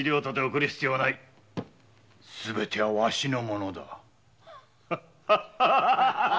すべてはワシのものだ。